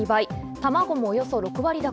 卵もおよそ６割高。